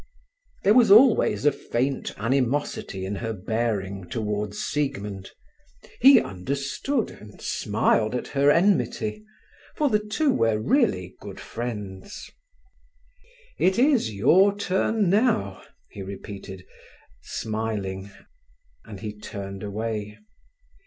There was always a faint animosity in her bearing towards Siegmund. He understood, and smiled at her enmity, for the two were really good friends. "It is your turn now," he repeated, smiling, and he turned away.